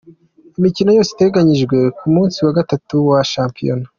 Imikino yose iteganyijwe ku munsi wa gatatu wa shampiyona: .